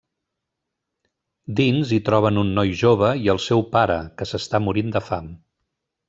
Dins hi troben un noi jove i el seu pare, que s'està morint de fam.